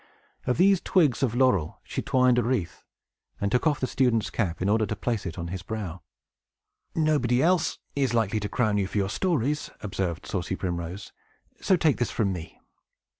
Of these twigs of laurel she twined a wreath, and took off the student's cap, in order to place it on his brow. "Nobody else is likely to crown you for your stories," observed saucy Primrose, "so take this from me."